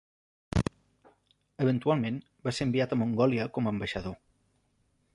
Eventualment va ser enviat a Mongòlia com a ambaixador.